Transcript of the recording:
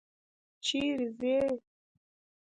چیري ځې؟